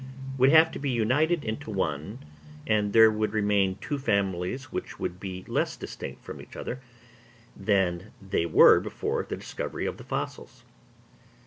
would have to be united into one; and there would remain two families which would be less distinct from each other than they were before the discovery of the fossils.